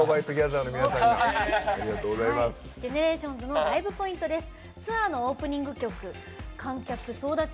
ＧＥＮＥＲＡＴＩＯＮＳのライブポイントです。